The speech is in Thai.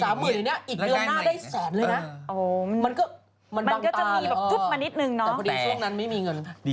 สวัสดีค่าข้าวใส่ไข่